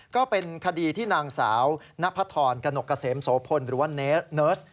ก็เป็นคดีที่นางสาวนพธรกนกเกษมโสพลหรือว่าเนสเนิร์ส